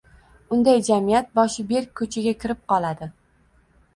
unday jamiyat boshi berk ko‘chaga kirib qoladi.